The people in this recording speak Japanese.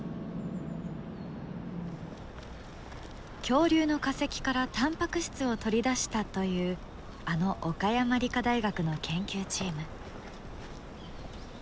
恐竜の化石からタンパク質を取り出したというあの岡山理科大学の研究チーム。